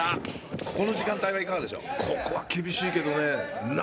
ここの時間帯はいかがでしょう？